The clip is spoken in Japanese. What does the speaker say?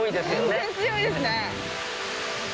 全然強いですね。